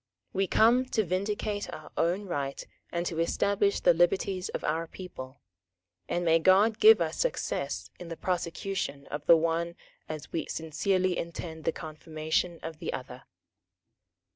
"We come to vindicate our own right and to establish the liberties of our people; and may God give us success in the prosecution of the one as we sincerely intend the confirmation of the other!"